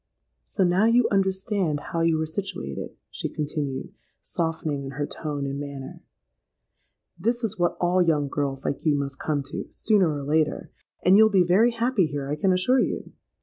—'So now you understand how you are situated,' she continued, softening in her tone and manner. 'This is what all young girls like you must come to, sooner or later; and you'll be very happy here, I can assure you.